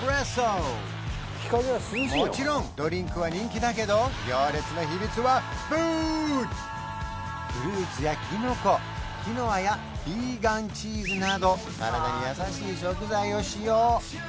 もちろんドリンクは人気だけどフルーツやキノコキノアやヴィーガンチーズなど体に優しい食材を使用